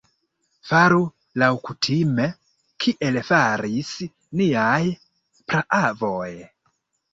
Faru laŭkutime, kiel faris niaj praavoj!